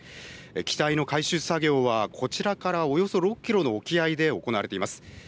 機体の回収作業はこちらからおよそ６キロの沖合で行われています。